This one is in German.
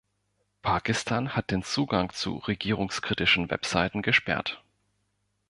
Pakistan hat den Zugang zu regierungskritischen Webseiten gesperrt.